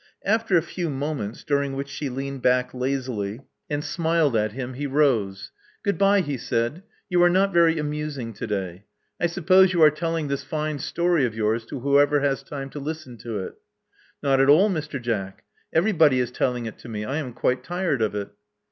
After a few moments, during which she leaned back lazily, and smiled at Love Among the Artists 233 him, he rose. Goodbye,'* he said. You are not very amusing to day. I suppose you are telling this fine story of yours to whoever has time to listen to it." Not at all, Mr. Jack. Everybody is telling it to me. I am quite tired of it."